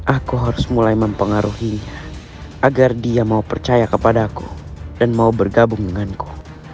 aku harus mulai mempengaruhinya agar dia mau percaya kepadaku dan mau bergabung denganku